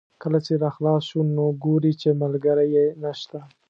کله چې را خلاص شو نو ګوري چې ملګری یې نشته.